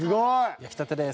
焼きたてです。